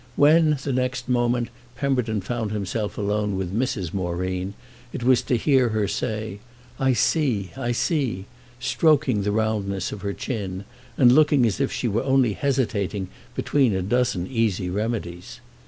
When, the next moment, Pemberton found himself alone with Mrs. Moreen it was to hear her say "I see, I see"—stroking the roundness of her chin and looking as if she were only hesitating between a dozen easy remedies.